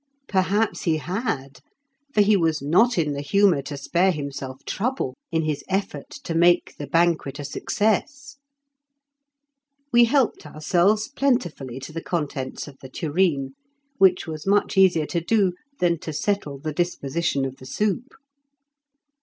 Perhaps he had, for he was not in the humour to spare himself trouble in his effort to make the banquet a success. We helped ourselves plentifully to the contents of the tureen, which was much easier to do than to settle the disposition of the soup.